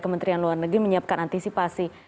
kementerian luar negeri menyiapkan antisipasi